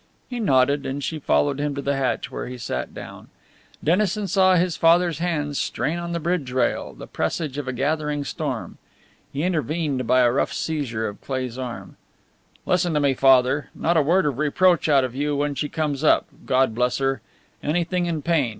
He nodded, and she followed him to the hatch, where he sat down. Dennison saw his father's hands strain on the bridge rail, the presage of a gathering storm. He intervened by a rough seizure of Cleigh's arm. "Listen to me, Father! Not a word of reproach out of you when she comes up God bless her! Anything in pain!